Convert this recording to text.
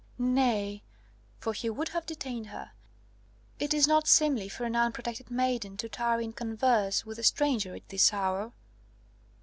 Nay," for he would have detained her, "it is not seemly for an unprotected maiden to tarry in converse with a stranger at this hour.